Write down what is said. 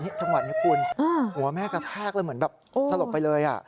จังหวะนี้คุณหัวแม่กระแทกแล้วเหมือนแบบสลบไปเลย